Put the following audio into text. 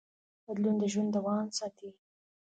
بدلون د ژوند دوام ساتي.